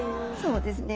そうですね。